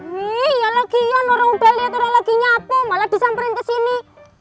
nih ya lagian orang belia ternyata lagi nyapu malah disamperin ke sini